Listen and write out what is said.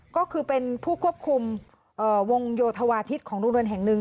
ก็คือเป็นผู้ควบคุมวงโยธวาทิศของโรงเรียนแห่งหนึ่ง